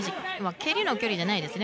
蹴りの距離じゃないですね。